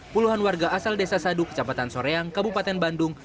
puluhan warga asal desa sadu kecamatan soreang kabupaten bandung